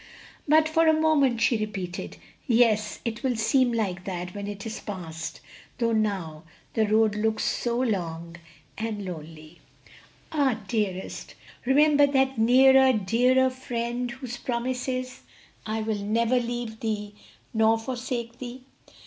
'" "'But for a moment!'" she repeated. "Yes, it will seem like that when it is past, though now the road looks so long and lonely." "Ah, dearest!" he said, softly smoothing her hair, "remember that nearer, dearer Friend whose promise is, 'I will never leave thee, nor forsake thee.'"